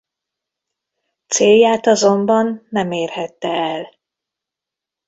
Célját azonban nem érhette el.